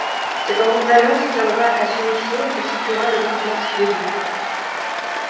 Cette ambivalence tendra à s'unifier et constituera le complexe d'Œdipe.